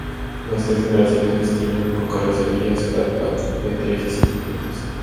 Las tres generaciones existieron con carrocerías hatchback de tres y cinco puertas.